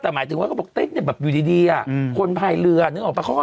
แต่หมายถึงว่าก็บอกเต้เนี้ยแบบอยู่ดีดีอ่ะอืมคนภายเรือนึงออกไปเขาก็